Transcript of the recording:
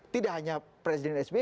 tidak hanya presiden sbi